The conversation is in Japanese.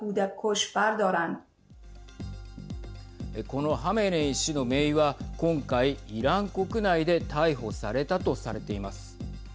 このハメネイ師の、めいは今回イラン国内で逮捕されたとされています。